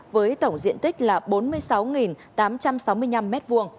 với tổng diện tích là bốn mươi sáu tám trăm sáu mươi năm m hai